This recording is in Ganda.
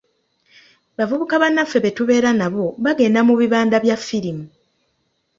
Bavubuka bannaffe be tubeera nabo bagenda mu "bibanda"bya ffirimu.